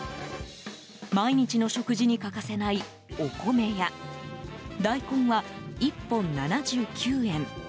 毎日の食事に欠かせないお米やダイコンは、１本７９円。